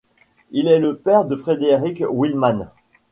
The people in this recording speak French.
Il est le père de Frederik Wilmann.